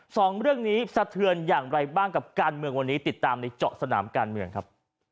สองเรื่องนี้สะเทือนอย่างไรบ้างกับการเมืองวันนี้ติดตามในเจาะสนามการเมืองครับ